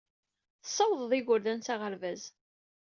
Tessawḍed igerdan s aɣerbaz.